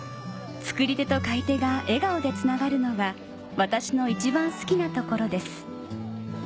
作り手と買い手が笑顔でつながるのが私の一番好きなところです